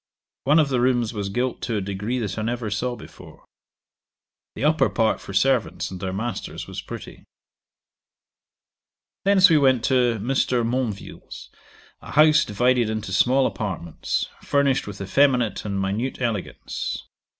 One of the rooms was gilt to a degree that I never saw before. The upper part for servants and their masters was pretty. 'Thence we went to Mr. Monville's, a house divided into small apartments, furnished with effeminate and minute elegance.